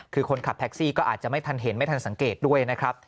คือคนขับแท็กซี่ก็อาจจะไม่ทันเห็นไม่ทันสังเกตด้วยนะครับ